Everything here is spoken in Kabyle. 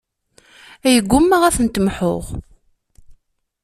Ay ggummaɣ ad ten-mḥuɣ.